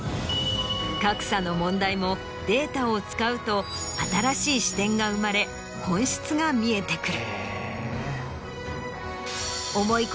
格差の問題もデータを使うと新しい視点が生まれ本質が見えてくる。